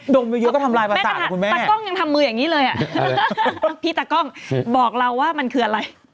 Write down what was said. ดมเยอะก็ทำลายประสาทหรอคุณแม่ตากล้องยังทำมืออย่างนี้เลยพี่ตากล้องบอกเราว่ามันคืออะไร